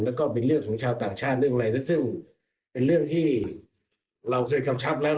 แล้วก็เป็นเรื่องของชาวต่างชาติเรื่องอะไรซึ่งเป็นเรื่องที่เราเคยกำชับแล้ว